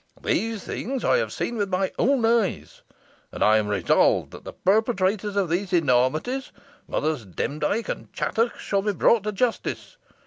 These things I have seen with my own eyes; and I am resolved that the perpetrators of these enormities, Mothers Demdike and Chattox, shall be brought to justice.